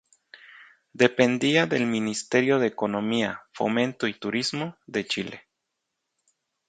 Dependía del Ministerio de Economía, Fomento y Turismo de Chile.